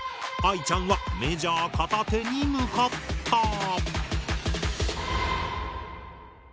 あいちゃんはメジャー片手に向かった！